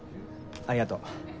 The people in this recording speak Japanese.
ありがとう。